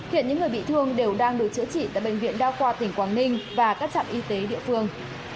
hiện những người bị thương đều đang được chữa trị tại bệnh viện đa khoa tỉnh quảng ninh và các trạm y tế địa phương